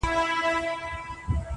دغه تیارې غواړي د سپینو څراغونو کیسې,